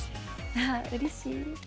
あうれしい。